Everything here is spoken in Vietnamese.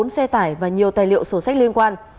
bốn xe tải và nhiều tài liệu sổ sách liên quan